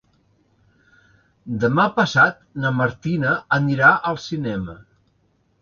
Demà passat na Martina anirà al cinema.